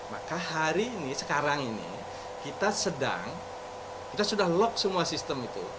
maka hari ini sekarang ini kita sedang kita sudah lock semua sistem itu